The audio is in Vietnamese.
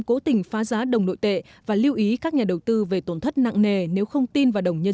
cố tình phá giá đồng nội tệ và lưu ý các nhà đầu tư về tổn thất nặng nề nếu không tin vào đồng nhân